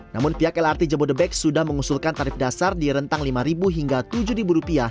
namun pihak lrt jabodebek sudah mengusulkan tarif dasar di rentang rp lima hingga rp tujuh